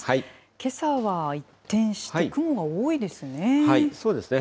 けさは一転して雲が多いですね。